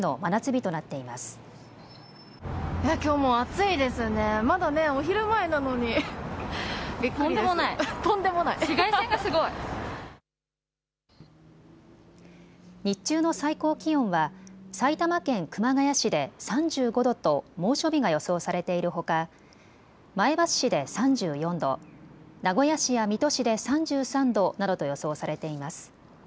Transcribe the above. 日中の最高気温は埼玉県熊谷市で３５度と猛暑日が予想されているほか前橋市で３４度、名古屋市や水戸市で３３度などと予想されています。